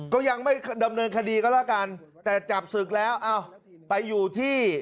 ก็ยังไม่ดำเนินคดีก็แล้วกันแต่จับศึกแล้วอ้าวไปอยู่ที่